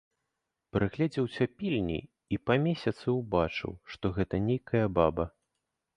Прыгледзеўся пільней і па месяцы ўбачыў, што гэта нейкая баба.